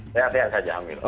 sehat sehat saja amir